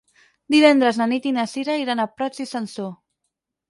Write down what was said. Divendres na Nit i na Sira iran a Prats i Sansor.